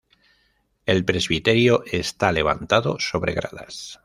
El presbiterio está levantado sobre gradas.